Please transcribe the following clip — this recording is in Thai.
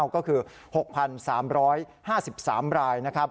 ก็คือ๖๓๕๓ราย